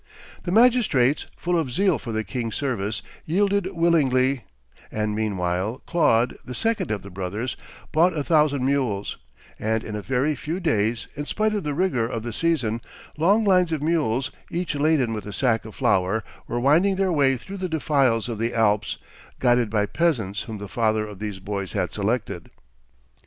The magistrates, full of zeal for the king's service, yielded willingly; and meanwhile, Claude, the second of the brothers, bought a thousand mules; and, in a very few days, in spite of the rigor of the season, long lines of mules, each laden with a sack of flour, were winding their way through the defiles of the Alps, guided by peasants whom the father of these boys had selected.